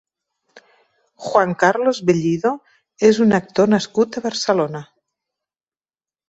Juan Carlos Vellido és un actor nascut a Barcelona.